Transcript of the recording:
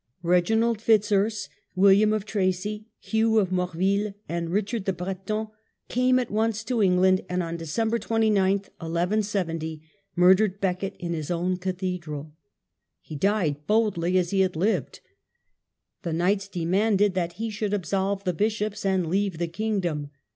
Reginald Fitz Urse, William of Tracy, Hugh of Morville, and Richard the Breton came at once to England, and on December 29, 11 70, murdered Becket in his own cathedral. He died boldly, as he had lived. The knights demanded that he should absolve the bishops and leave the kingdom.